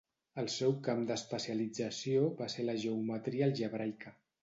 El seu camp d'especialització va ser la geometria algebraica.